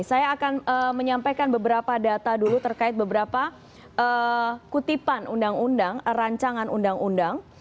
saya akan menyampaikan beberapa data dulu terkait beberapa kutipan undang undang rancangan undang undang